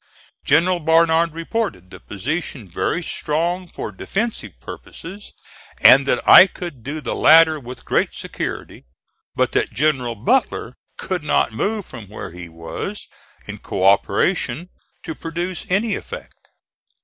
General Barnard reported the position very strong for defensive purposes, and that I could do the latter with great security; but that General Butler could not move from where he was, in co operation, to produce any effect.